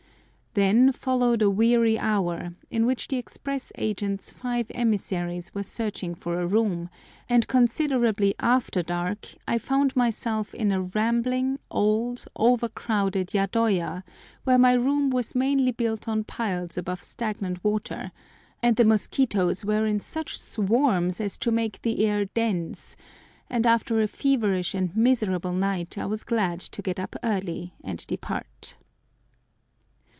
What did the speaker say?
Then followed a weary hour, in which the Express Agent's five emissaries were searching for a room, and considerably after dark I found myself in a rambling old over crowded yadoya, where my room was mainly built on piles above stagnant water, and the mosquitoes were in such swarms as to make the air dense, and after a feverish and miserable night I was glad to get up early and depart.